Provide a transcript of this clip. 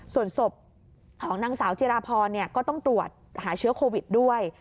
ส่วนศพของนางสาวจิราพรก็ต้องตรวจหาเชื้อโควิดด้วย